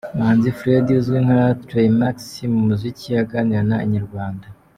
Manzi Fred uzwi nka Trey Max mu muziki, aganira na Inyarwanda.